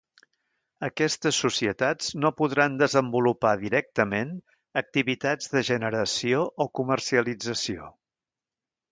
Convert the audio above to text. Aquestes societats no podran desenvolupar directament activitats de generació o comercialització.